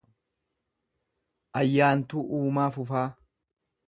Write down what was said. Ayyaantuu Uumaa Fufaa